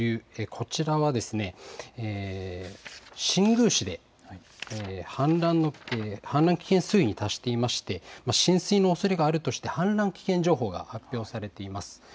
こちらは、新宮市で氾濫危険水位に達していまして、浸水のおそれがあるとして、氾濫危険情報が発表されています。